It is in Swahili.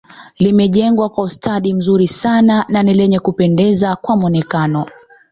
Limejengwa kwa ustadi mzuri sana na ni lenye Kupendeza kwa mwonekano